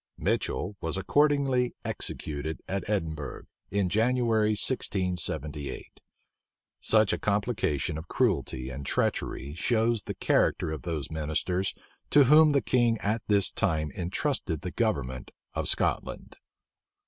Mitchel was accordingly executed at Edinburgh, in January, 1678. Such a complication of cruelty and treachery shows the character of those ministers to whom the king at this time intrusted the government of Scotland.